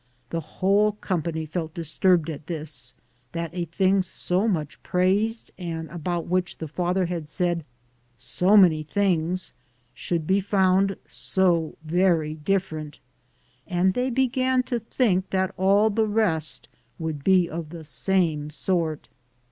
The whole company felt disturbed at this, that a thing so much praised, and about which the father had said so many things, should be found so very different; and they began to think that all the rest would be of the same sort.